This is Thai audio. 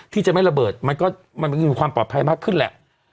ที่จะไม่ระเบิดมันก็มันมีความปลอดภัยมากขึ้นแหละ